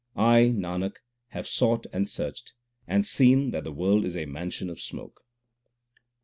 I, Nanak, have sought and searched, and seen that the world is a mansion of smoke.